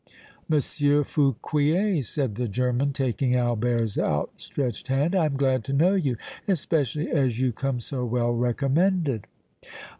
"Monsieur Fouquier," said the German, taking Albert's outstretched hand, "I am glad to know you, especially as you come so well recommended."